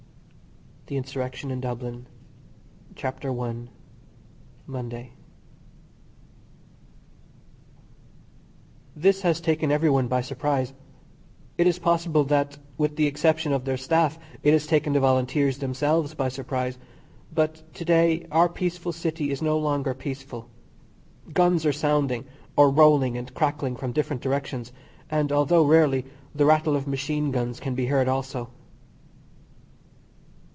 THE INSURRECTION IN DUBLIN CHAPTER I MONDAY This has taken everyone by surprise. It is possible, that, with the exception of their Staff, it has taken the Volunteers themselves by surprise; but, to day, our peaceful city is no longer peaceful; guns are sounding, or rolling and crackling from different directions, and, although rarely, the rattle of machine guns can be heard also.